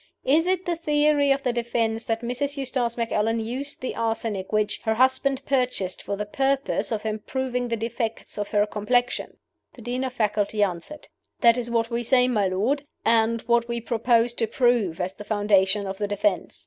Is it the theory of the defense that Mrs. Eustace Macallan used the arsenic which her husband purchased for the purpose of improving the defects of her complexion?" The Dean of Faculty answered: "That is what we say, my lord, and what we propose to prove as the foundation of the defense.